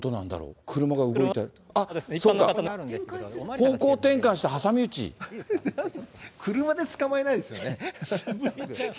方向転換して、車で捕まえないですよね。